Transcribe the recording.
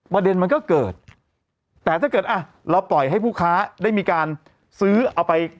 มันก็เกิดแต่ถ้าเกิดอ่ะเราปล่อยให้ผู้ค้าได้มีการซื้อเอาไป